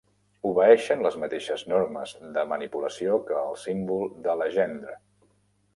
Obeeixen les mateixes normes de manipulació que el símbol de Legendre.